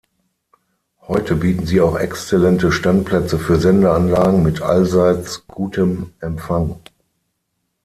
Heute bieten sie auch exzellente Standplätze für Sendeanlagen mit allseits gutem Empfang.